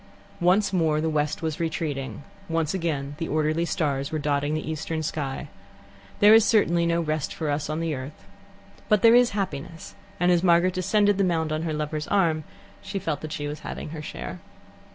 Once more the west was retreating, once again the orderly stars were dotting the eastern sky. There is certainly no rest for us on the earth. But there is happiness, and as Margaret descended the mound on her lover's arm, she felt that she was having her share.